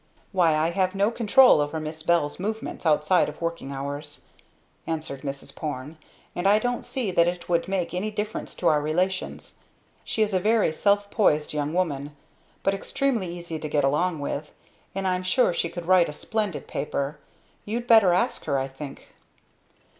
"Why I have no control over Miss Bell's movements, outside of working hours," answered Mrs. Porne. "And I don't see that it would make any difference to our relations. She is a very self poised young woman, but extremely easy to get along with. And I'm sure she could write a splendid paper. You'd better ask her, I think."